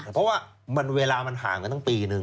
เพราะว่าเวลามันห่างกันตั้งปีนึง